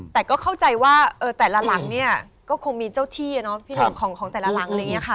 แต่ก็เข้าใจว่าแต่ละหลังเนี่ยก็คงมีเจ้าที่เนาะพี่หนึ่งของแต่ละหลังอะไรอย่างนี้ค่ะ